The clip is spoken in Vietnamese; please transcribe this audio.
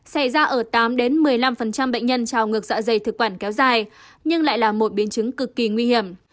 xảy ra ở tám một mươi năm bệnh nhân trào ngược dạ dày thực quản kéo dài nhưng lại là một biến chứng cực kỳ nguy hiểm